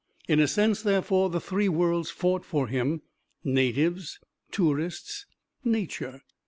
In a sense, therefore, the three worlds fought for him: natives, tourists, Nature....